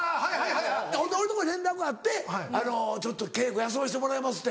ほんで俺のとこに連絡あって「稽古休ませてもらいます」って。